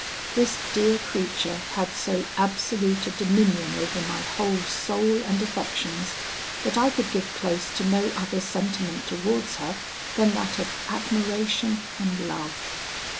This dear creature had so absolute a dominion over my whole soul and affections, that I could give place to no other sentiment towards her than that of admiration and love.